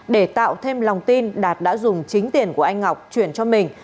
để tạo thêm lòng tin đạt đã dùng chính tiền của anh ngọc chuyển cho mình